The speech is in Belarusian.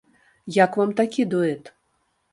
Як вам такі дуэт?